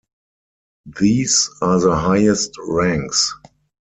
These are the highest ranks.